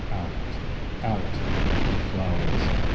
Out, out, ye flowers!